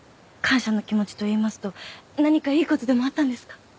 感謝の気持ちといいますと何かいいことでもあったんですか？